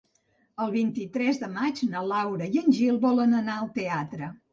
El vint-i-tres de maig na Laura i en Gil volen anar al teatre.